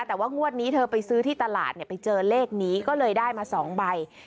แต่ว่างวดนี้เธอไปซื้อที่ตลาดเนี่ยไปเจอเลขนี้ก็เลยได้มา๒ใบ